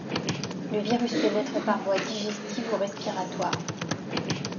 Le virus pénètre par voie digestive ou respiratoire.